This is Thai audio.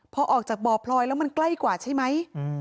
พอออกจากบ่อพลอยแล้วมันใกล้กว่าใช่ไหม